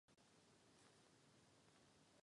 I dnes se někdy užívá jako metafora nebo ironicky.